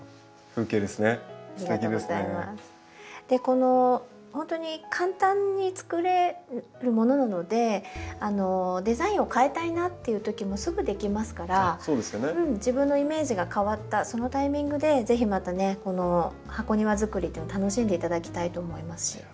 でこのほんとに簡単につくれるものなのでデザインを変えたいなっていう時もすぐできますから自分のイメージが変わったそのタイミングで是非またねこの箱庭づくりっていうのを楽しんで頂きたいと思いますし。